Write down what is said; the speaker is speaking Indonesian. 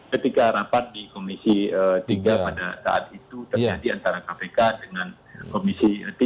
ketika rapat di komisi tiga pada saat itu terjadi antara kpk dengan komisi tiga